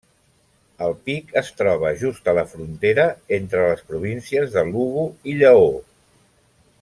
El pic es troba just a la frontera entre les províncies de Lugo i Lleó.